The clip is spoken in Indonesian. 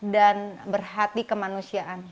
dan berhati kemanusiaan